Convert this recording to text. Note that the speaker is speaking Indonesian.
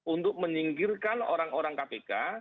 untuk menyingkirkan orang orang kpk